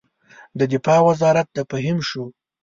د دفاع وزارت د فهیم شو.